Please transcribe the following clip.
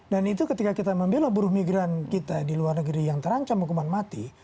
dan itu ketika kita membela buruh migran kita di luar negeri yang terancam hukuman mati